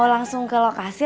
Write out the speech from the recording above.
mau langsung ke lokasi